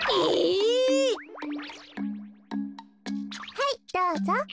はいどうぞ。